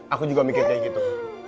aku juga mikirnya gitu